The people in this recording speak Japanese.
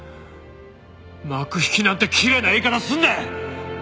幕引きなんてきれいな言い方すんな！